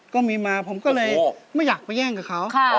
ก็มีมาผมก็เลยไม่อยากไปแย่งกับเขา